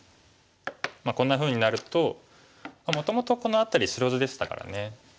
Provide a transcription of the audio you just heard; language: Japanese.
こんなふうになるともともとこの辺り白地でしたからね